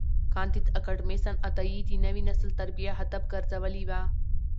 کانديد اکاډميسن عطایي د نوي نسل تربیه هدف ګرځولي وه.